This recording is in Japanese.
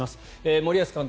森保監督